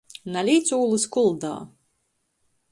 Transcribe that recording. Nalīc ūlys kuldā!